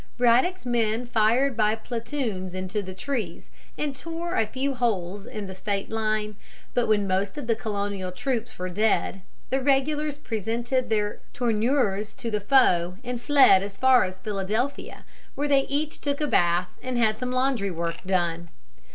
Braddock's men fired by platoons into the trees and tore a few holes in the State line, but when most of the Colonial troops were dead the regulars presented their tournures to the foe and fled as far as Philadelphia, where they each took a bath and had some laundry work done.